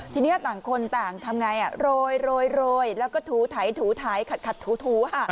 ทีนี้ต่างคนต่างทำอย่างไรโรยโรยโรยแล้วก็ถูถ่ายถูถ่ายขัดขัดถูถู